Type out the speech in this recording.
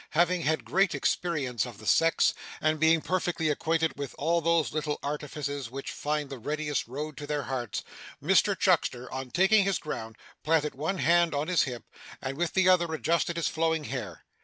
Having had great experience of the sex, and being perfectly acquainted with all those little artifices which find the readiest road to their hearts, Mr Chuckster, on taking his ground, planted one hand on his hip, and with the other adjusted his flowing hair.